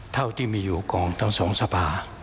เท่าที่มีอยู่ของทั้งสองสภา